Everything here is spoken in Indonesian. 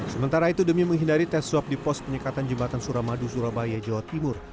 sementara itu demi menghindari tes swab di pos penyekatan jembatan suramadu surabaya jawa timur